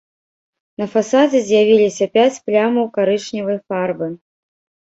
На фасадзе з'явіліся пяць плямаў карычневай фарбы.